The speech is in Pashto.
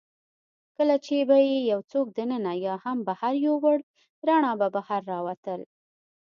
کله چي به يې یوڅوک دننه یا هم بهر یووړ، رڼا به بهر راوتل.